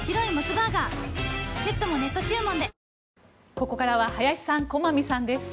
ここからは林さん、駒見さんです。